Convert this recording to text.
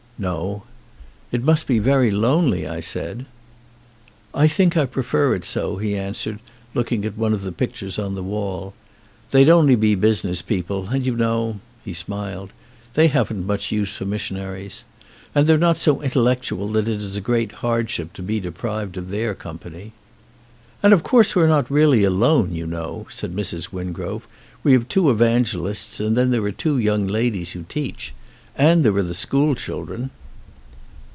"No." "It must be very lonely," I said. "I think I prefer it so," he answered, looking at one of the pictures on the wall. "They'd only be business people, and you know" — he smiled — "they haven't much use for missionaries. And they're not so intellectual that it is a great hard ship to be deprived of their company. "And of course we're not really alone, you know," said Mrs. Wingrove. "We have two evangelists and then there are two young ladies who teach. And there are the school children."